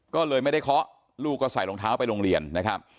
ก็เลยไม่ได้เคาะลูกก็ใส่รองเท้าไปโรงเรียนนะครับ